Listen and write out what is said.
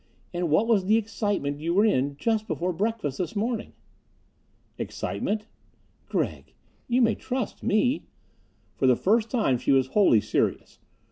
And what was the excitement you were in just before breakfast this morning?" "Excitement?" "Gregg, you may trust me." For the first time she was wholly serious.